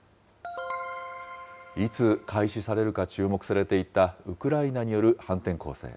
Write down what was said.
いつ開始されるか注目されていたウクライナによる反転攻勢。